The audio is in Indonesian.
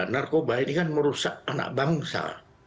narkoba ini kan merusak anak bangsa